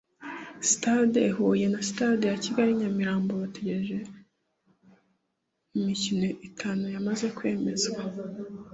Stade Huye na Stade ya Kigali i Nyamirambo hategerejwe imikino itanu yamaze kwemezwa